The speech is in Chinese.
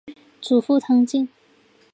祖父汤敬。